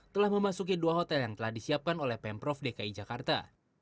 telah memasuki dua hotel yang telah disiapkan oleh pemprov dki jakarta